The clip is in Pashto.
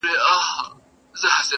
اې په خوب ویده ماشومه!؟؛